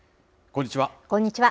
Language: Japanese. こんにちは。